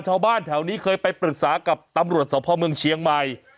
ชาวบ้านแถวนี้เคยไปปรึกษากับตำรวจสพเมืองเชียงใหม่